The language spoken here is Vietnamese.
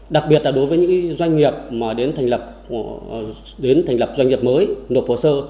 đặc biệt đó đối với những doanh nghiệp đến thành lập doanh nghiệp mới nộp hồ sơ